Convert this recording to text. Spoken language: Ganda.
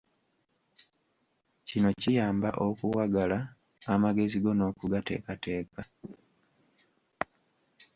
Kino kiyamba okuwagala amagezi go n'okugateekateeka.